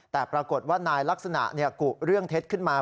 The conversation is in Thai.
แต่ปรากฏว่านายลักษณะกุเรื่องเท็จขึ้นมา